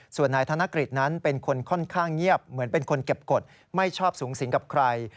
ส่วนนายธนกฤษนั้นเป็นคนค่อนข้างเงียบเหมือนเป็นคนเก็บกฎไม่ชอบสูงสิงกับใคร